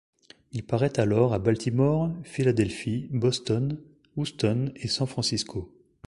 Il parait alors à Baltimore, Philadelphie, Boston, Houston, et San Francisco.